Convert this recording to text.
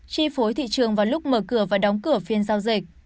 chi phối thị trường vào lúc mở cửa và đóng cửa phiên giao dịch